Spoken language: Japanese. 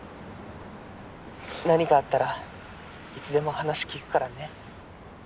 何かあったらいつでも話聞くからね。